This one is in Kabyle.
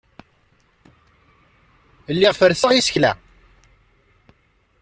Lliɣ ferrseɣ isekla.